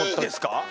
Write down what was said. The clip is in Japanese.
Ｄですか！？